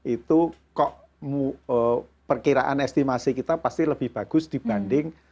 itu kok perkiraan estimasi kita pasti lebih bagus dibanding